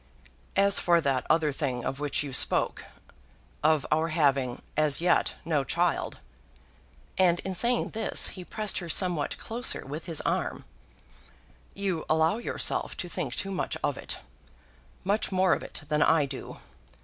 As for that other thing of which you spoke, of our having, as yet, no child" and in saying this he pressed her somewhat closer with his arm "you allow yourself to think too much of it; much more of it than I do.